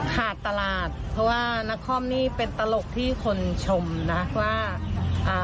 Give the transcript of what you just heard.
ขาดตลาดเพราะว่านักคอมนี่เป็นตลกที่คนชมนะว่าอ่า